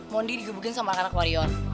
mondi digugurin sama anak anak warion